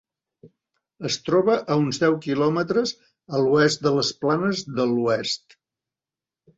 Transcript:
Es troba a uns deu quilòmetres a l'oest de les planes de l'Oest.